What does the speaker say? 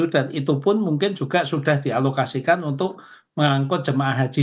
dan itu pun mungkin juga sudah dialokasikan untuk mengangkut jemaah haji